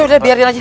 ya udah biarin aja